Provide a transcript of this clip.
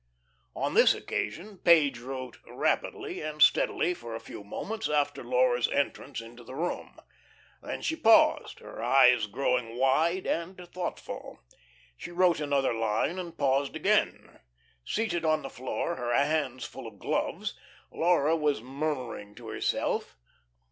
On this occasion Page wrote rapidly and steadily for a few moments after Laura's entrance into the room. Then she paused, her eyes growing wide and thoughtful. She wrote another line and paused again. Seated on the floor, her hands full of gloves, Laura was murmuring to herself.